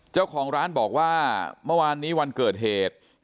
เจ้าของร้านบอกว่าเมื่อวานนี้วันเกิดเหตุ